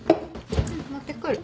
持ってくる。